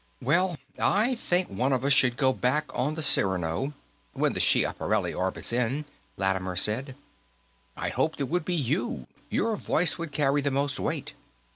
"Well, I think one of us should go back on the Cyrano, when the Schiaparelli orbits in," Lattimer said. "I'd hoped it would be you; your voice would carry the most weight.